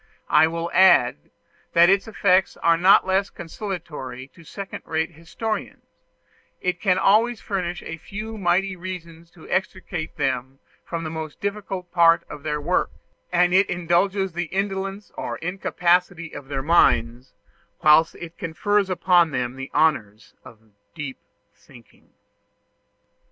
I will add, that its effects are not less consolatory to second rate historians; it can always furnish a few mighty reasons to extricate them from the most difficult part of their work, and it indulges the indolence or incapacity of their minds, whilst it confers upon them the honors of deep thinking.